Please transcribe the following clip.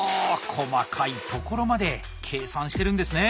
細かいところまで計算してるんですね！